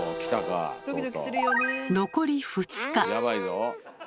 残り２日。